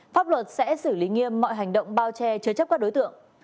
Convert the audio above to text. pháp luật sẽ xử lý nghiêm mọi hành động bao che chứa chấp các đối tượng